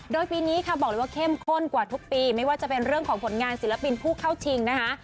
โดยปีนี้ค่ะบอกเลยว่าเข้มข้นกว่าทุกปีไม่ว่าจะเป็นเรื่องของผลงานศิลปินผู้เข้าชิงนะคะ